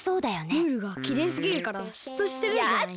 ムールがきれいすぎるからしっとしてるんじゃない？